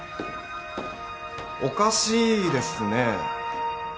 おかしいですね。